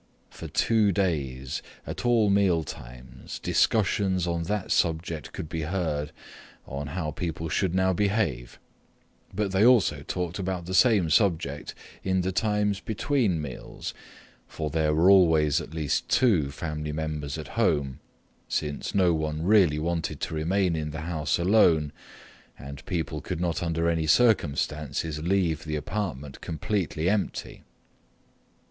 For two days at all meal times discussions on that subject could be heard on how people should now behave; but they also talked about the same subject in the times between meals, for there were always at least two family members at home, since no one really wanted to remain in the house alone and people could not under any circumstances leave the apartment completely empty.